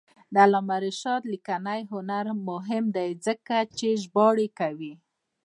د علامه رشاد لیکنی هنر مهم دی ځکه چې ژباړې کوي.